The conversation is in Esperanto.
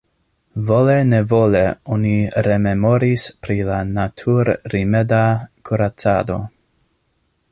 Vole-nevole oni rememoris pri la natur-rimeda kuracado.